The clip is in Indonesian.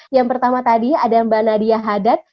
yang pertama tadi ada mbak nadia hadad